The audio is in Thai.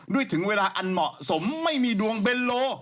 ถึงเวลาอันเหมาะสมไม่มีดวงเบนโล